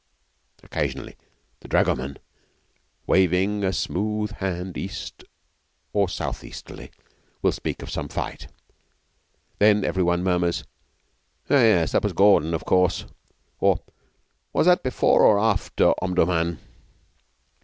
Occasionally the dragoman, waving a smooth hand east or south easterly, will speak of some fight. Then every one murmurs: 'Oh yes. That was Gordon, of course,' or 'Was that before or after Omdurman?'